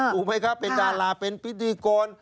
ถูกไหมครับเป็นดาราเป็นพิธีกร